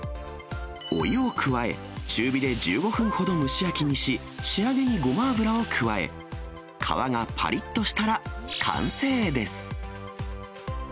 お湯を加え、中火で１５分ほど蒸し焼きにし、仕上げにごま油を加え、皮がぱりっとしたら完成です。